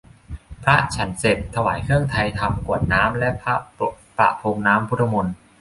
พระฉันเสร็จ ถวายเครื่องไทยธรรม กรวดน้ำและพระประพรมน้ำพุทธมนต์